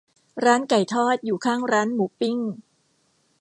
ร้านไก่ทอดอยู่ข้างร้านหมูปิ้ง